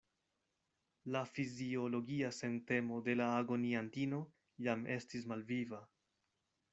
La fiziologia sentemo de la agoniantino jam estis malviva.